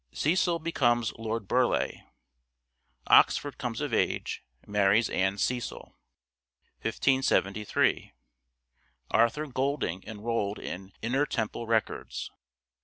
Cecil becomes Lord Burleigh. Oxford comes of age : marries Anne Cecil. 1573. Arthur Golding enrolled in " Inner Temple Records."